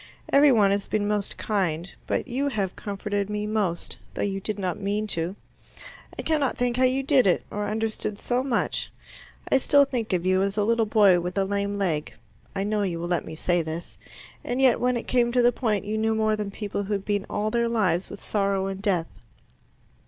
Every one has been most kind, but you have comforted me most, though you did not mean to. I cannot think how you did it, or understood so much. I still think of you as a little boy with a lame leg, I know you will let me say this, and yet when it came to the point you knew more than people who have been all their lives with sorrow and death."